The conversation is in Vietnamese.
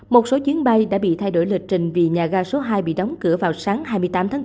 một số chuyến bay đã bị thay đổi lịch trình vì nhà ga số hai bị đóng cửa vào sáng hai mươi tám tháng bốn